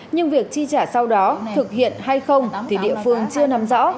nhưng việc chi trả sau đó thực hiện hay không thì địa phương chưa nắm rõ